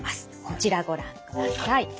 こちらご覧ください。